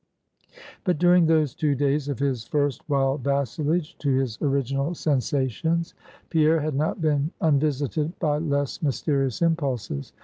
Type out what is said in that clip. But during those two days of his first wild vassalage to his original sensations, Pierre had not been unvisited by less mysterious impulses.